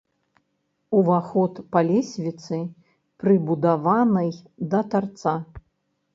Уваход па лесвіцы, прыбудаванай да тарца.